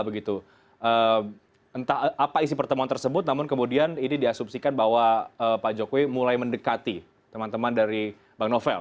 entah apa isi pertemuan tersebut namun kemudian ini diasumsikan bahwa pak jokowi mulai mendekati teman teman dari bang novel